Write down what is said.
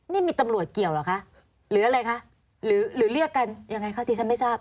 นี่มีตำรวจเกี่ยวเหรอคะหรืออะไรคะหรือเรียกกันยังไงคะที่ฉันไม่ทราบ